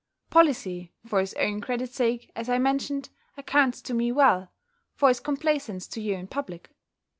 Policy, for his own credit sake, as I mentioned, accounts to me well, for his complaisance to you in public.